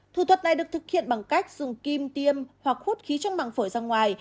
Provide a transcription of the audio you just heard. thủ thuật này được thực hiện bằng cách dùng kim tiêm hoặc hút khí trong mảng phổi ra ngoài